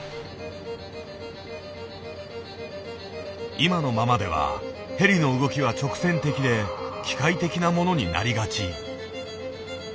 今のままではヘリの動きは直線的で機械的なものになりがち。